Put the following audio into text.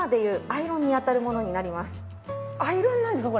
アイロンなんですか？